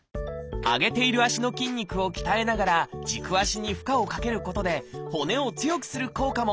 上げている足の筋肉を鍛えながら軸足に負荷をかけることで骨を強くする効果も。